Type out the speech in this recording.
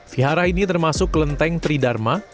vihara ini termasuk kelenteng tridharma